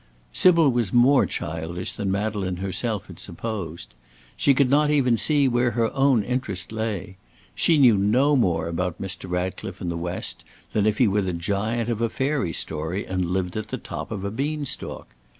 Sybil was more childish than Madeleine herself had supposed. She could not even see where her own interest lay. She knew no more about Mr. Ratcliffe and the West than if he were the giant of a fairy story, and lived at the top of a bean stalk.